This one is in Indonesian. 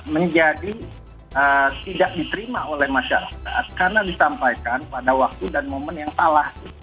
menjadi tidak diterima oleh masyarakat karena disampaikan pada waktu dan momen yang salah